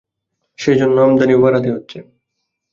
সে জন্য আমদানিও বাড়াতে হচ্ছে।